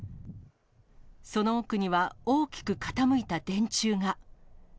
その奥には、大きく傾いた電柱が。